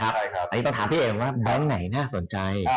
อันนี้ต้องถามพี่เอ๋ว่าแบงค์ไหนน่าสนใจ